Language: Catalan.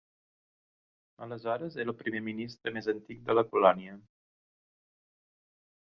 Aleshores, era el primer ministre més antic de la colònia.